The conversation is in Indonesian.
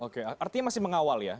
oke artinya masih mengawal ya